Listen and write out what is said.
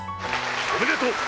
おめでとう！